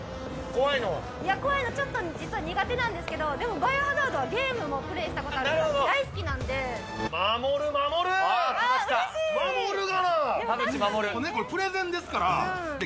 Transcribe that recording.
怖いの、ちょっと実は苦手なんですけど、でもバイオハザードはゲームもプレーしたことがあって大好きなん守る、守る。